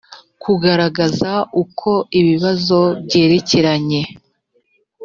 kugaragaza uko ibibazo byerekeranye